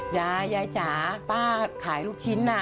ยายจ๋าป้าขายลูกชิ้น